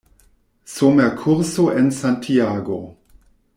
Somerkurso en Santiago.